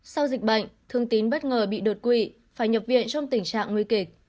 sau dịch bệnh thương tín bất ngờ bị đột quỵ phải nhập viện trong tình trạng nguy kịch